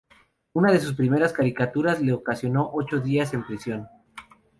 Una de sus primeras caricaturas le ocasionó ocho días en prisión.